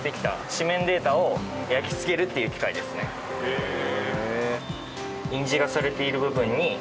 へえ。